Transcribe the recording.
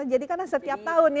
jadi karena setiap tahun ya